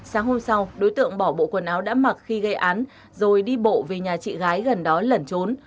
sáng hôm sau đối tượng bỏ bộ quần áo đã mặc khi gây án rồi đi bộ về nhà chị gái gần đó lẩn trốn